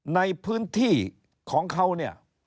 ในพื้นที่ของเขาเนี่ย